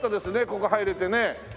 ここ入れてね。